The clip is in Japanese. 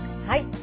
はい。